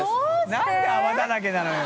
なんで泡だらけなのよ。